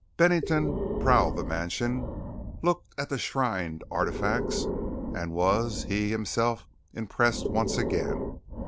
Bennington prowled the mansion, looked at the shrined artifacts, and was he, himself, impressed once again.